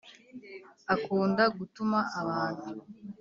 Akunda gutuma abantu